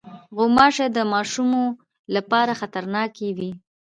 غوماشې د ماشومو لپاره خطرناکې وي.